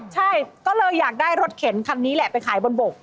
ใช่ก็เลยอยากได้รถเข็นคันนี้แหละไปขายบนบก